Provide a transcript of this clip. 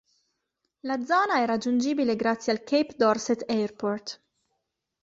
La zona è raggiungibile grazie al Cape Dorset Airport.